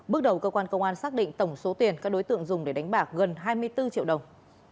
bước đầu cơ quan công an xác định tổng số tiền các đối tượng dùng để đánh bạc gần hai mươi bốn triệu đồng